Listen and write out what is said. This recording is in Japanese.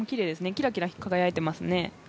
キラキラ輝いていますね。